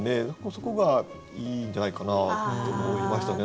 そこがいいんじゃないかなと思いましたね